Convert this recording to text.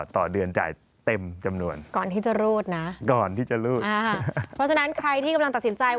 ต่อเดือนจ่ายเต็มจำนวน